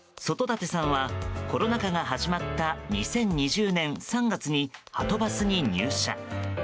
外舘さんはコロナ禍が始まった２０２０年３月にはとバスに入社。